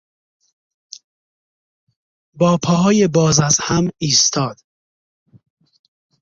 با پاهای باز از هم ایستاد.